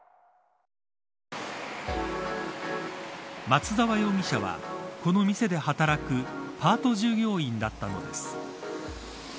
松沢容疑者は、この店で働くパート従業員だったのです。